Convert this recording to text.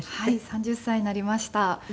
３０歳になりました。